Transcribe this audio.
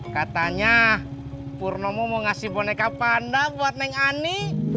katanya purnomo mau ngasih boneka panda buat neng ani